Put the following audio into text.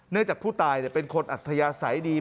จากผู้ตายเป็นคนอัธยาศัยดี